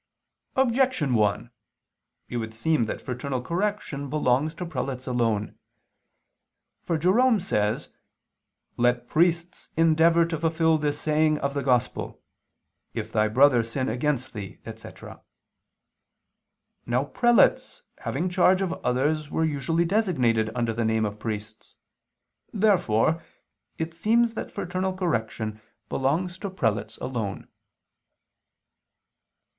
Objection 1: It would seem that fraternal correction belongs to prelates alone. For Jerome [*Origen, Hom. vii in Joan.] says: "Let priests endeavor to fulfil this saying of the Gospel: 'If thy brother sin against thee,'" etc. Now prelates having charge of others were usually designated under the name of priests. Therefore it seems that fraternal correction belongs to prelates alone.